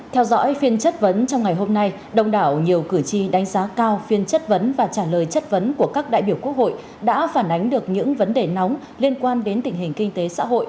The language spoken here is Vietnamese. theo dõi phiên chất vấn trong ngày hôm nay đông đảo nhiều cử tri đánh giá cao phiên chất vấn và trả lời chất vấn của các đại biểu quốc hội đã phản ánh được những vấn đề nóng liên quan đến tình hình kinh tế xã hội